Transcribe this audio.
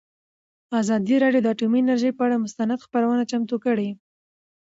ازادي راډیو د اټومي انرژي پر اړه مستند خپرونه چمتو کړې.